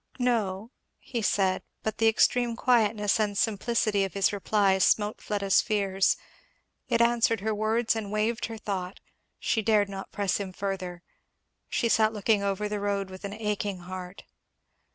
"No," he said; but the extreme quietness and simplicity of his reply smote Fleda's fears; it answered her words and waived her thought; she dared not press him further. She sat looking over the road with an aching heart.